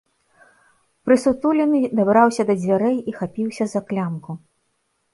Прысутулены дабраўся да дзвярэй і хапіўся за клямку.